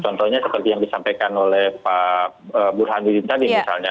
contohnya seperti yang disampaikan oleh pak burhanuddin tadi misalnya